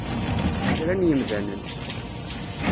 Kra n yemdanen!